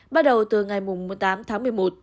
bắt đầu từ ngày tám tháng một mươi một